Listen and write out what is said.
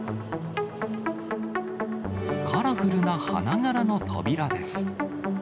カラフルな花柄の扉です。